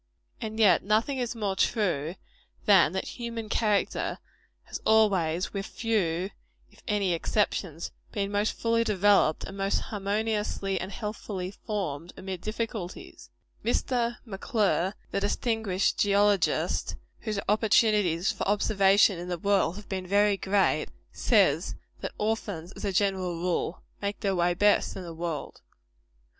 And yet nothing is more true, than that human character has always, with few if any exceptions, been most fully developed and most harmoniously and healthfully formed, amid difficulties. Mr. M'Clure, the distinguished geologist, whose opportunities for observation in the world have been very great, says that orphans, as a general rule, make their way best in the world.